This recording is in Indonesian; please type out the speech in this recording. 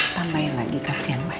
tambahin lagi kasih yang banyak